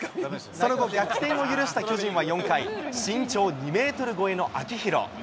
その後、逆転を許した巨人は４回、身長２メートル超えの秋広。